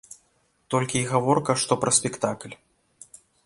Толькі й гаворка што пра спектакль.